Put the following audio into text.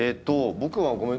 僕はごめん